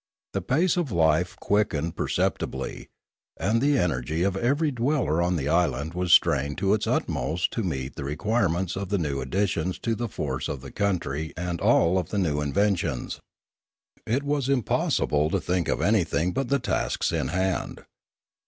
The pace of life quickened perceptibly, and the energy of every dweller on the island was strained to its utmost to meet the re quirements of the new additions to the force of the country and of all the new inventions. It was impos sible to think of anything but the tasks in hand.